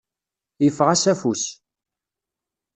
Yeffeɣ-as afus.